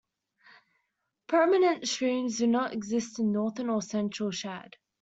Permanent streams do not exist in northern or central Chad.